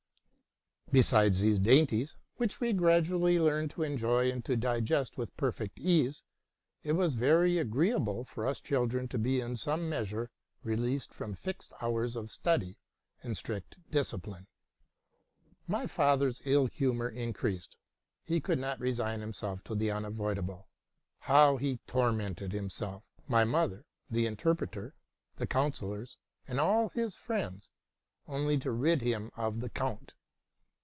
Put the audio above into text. Besides these dainties, which we gradually learned to enjoy and to digest with perfect ease, it was very agreeable for us children to be in some measure released from fixed hours of study and strict discipline. My father's ill humor increased: he could not resign himself to the unavoidable. How he tormented himself, my mother, the interpreter, the councillors, and all his friends, only to rid him of the count